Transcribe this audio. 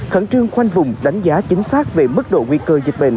khẩn trương khoanh vùng đánh giá chính xác về mức độ nguy cơ dịch bệnh